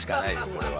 これは。